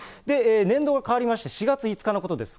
年度が替わりまして、４月５日のことです。